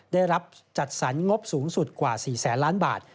ได้รับจัดสรรงบสูงสุดกว่า๔แสนล้านบาท